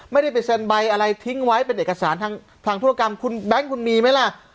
ไม่ได้ไปเซ็นใบอะไรทิ้งไว้เป็นเอกสารทางธุรกรรมคุณแบงค์คุณมีไหมล่ะ